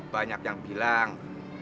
banyak yang bilang